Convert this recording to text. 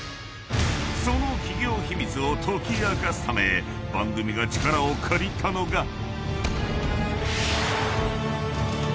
［その企業秘密を解き明かすため番組が力を借りたのが］